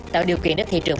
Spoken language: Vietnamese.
tạo điều kiện để thị trường